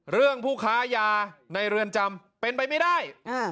ผู้ค้ายาในเรือนจำเป็นไปไม่ได้